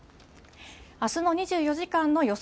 あすの２４時間の予想